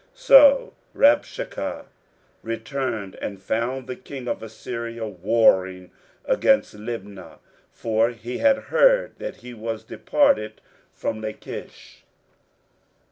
23:037:008 So Rabshakeh returned, and found the king of Assyria warring against Libnah: for he had heard that he was departed from Lachish.